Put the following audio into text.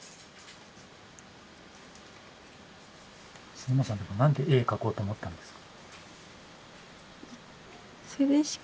杉本さん何で絵描こうと思ったんですか？